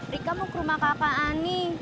rika mau ke rumah kakak ani